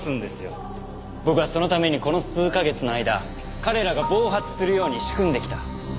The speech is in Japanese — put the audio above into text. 僕はそのためにこの数カ月の間彼らが暴発するように仕組んできた。